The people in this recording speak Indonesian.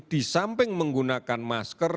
di samping menggunakan masker